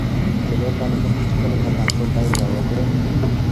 څلور کاله مخې، چې کله د کانکور پايلې راوتې.